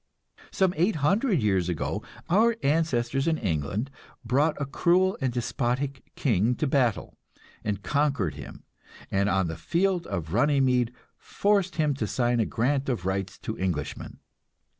Some eight hundred years ago our ancestors in England brought a cruel and despotic king to battle, and conquered him, and on the field of Runnymede forced him to sign a grant of rights to Englishmen.